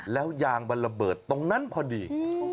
แล้วยางมันระเบิดตรงนั้นพอดี